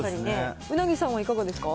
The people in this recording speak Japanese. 鰻さんはいかがですか？